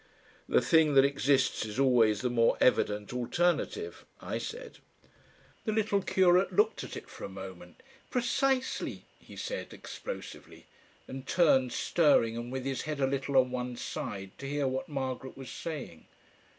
"The thing that exists is always the more evident alternative," I said. The little curate looked at it for a moment. "Precisely," he said explosively, and turned stirring and with his head a little on one side, to hear what Margaret was saying.